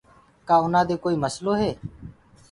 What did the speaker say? کآ اُنآ دي ڪوئي نسلو هي۔